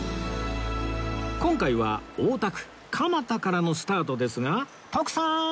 今回は大田区蒲田からのスタートですが徳さん！